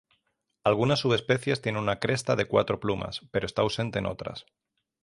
Algunas subespecies tienen una cresta de cuatro plumas, pero está ausente en otras.